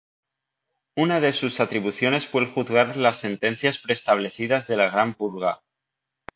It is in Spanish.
Una de sus atribuciones fue el juzgar las sentencias pre-establecidas de la Gran Purga.